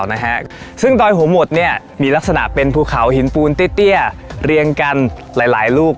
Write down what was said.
ตอนนี้ดอยหัวหมดมีลักษณะเป็นพูเขาหินปูนตี้สักต่อหลายสี่ลูก